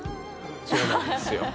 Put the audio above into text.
そうなんですよ。